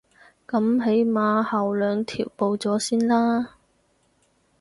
噉起碼後兩條報咗先啦